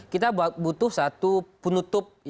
kita butuh satu penutup yang berharga